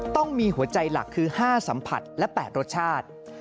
ต้องมีหัวใจหลักคือ๕สัมผัสและ๘รสชาติ